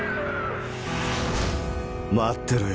待ってろよ